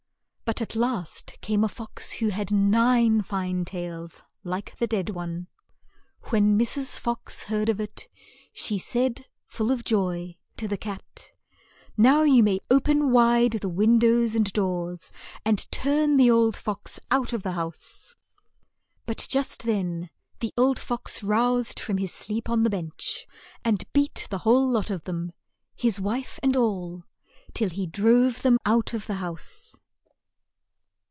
But at last came a fox who had nine fine tails, like the dead one. When Mrs. Fox heard of it, she said, full of joy, to the cat, "Now you may o pen wide the win do ws and doors, and turn the old fox out of the house." But just then the old fox roused from his sleep on the bench, and beat the whole lot of them, his wife and all, till he drove them out of the house.